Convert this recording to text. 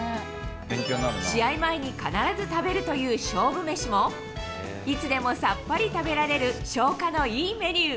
試合前に必ず食べるという勝負飯も、いつでもさっぱり食べられる消化のいいメニュー。